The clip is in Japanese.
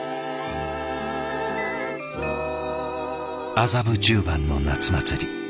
麻布十番の夏祭り。